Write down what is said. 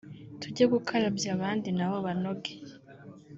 tujye gukarabya abandi nabo banoge